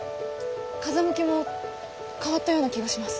風向きも変わったような気がします。